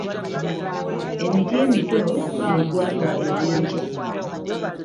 Emiti emito ly’eggwanga ery'enkya.